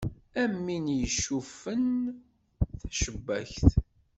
Am win yecuffun tacebbakt.